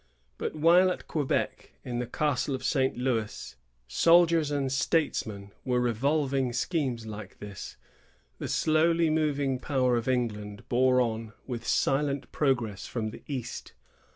But while at Quebec, in the Castle of St. Louis, soldiers and statesmen were revolving schemes like this, the slowly moving power of England bore on with silent progress from the east.